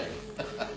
ハハハハ！